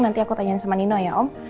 nanti aku tanyain sama nino ya om